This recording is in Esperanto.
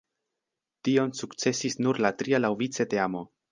Tion sukcesis nur la tria laŭvice teamo.